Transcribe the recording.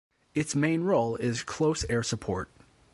Its main role is close air support.